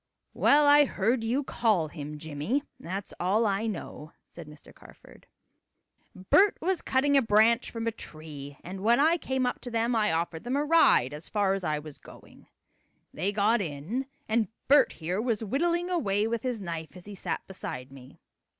"Well, I heard you call him Jimmie that's all I know," said Mr. Carford. "Bert was cutting a branch from a tree, and when I came up to them I offered them a ride as far as I was going. They got in, and Bert here was whittling away with his knife as he sat beside me.